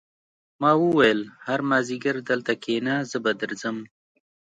ما وویل هر مازدیګر دلته کېنه زه به درځم